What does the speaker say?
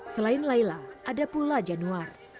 selain laila ada pula januar